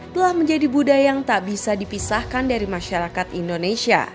telah menjadi budaya yang tak bisa dipisahkan dari masyarakat indonesia